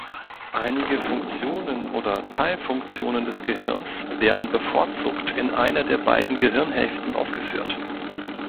Einige Funktionen oder Teilfunktionen des Gehirns werden bevorzugt in einer der beiden Gehirnhälften ausgeführt.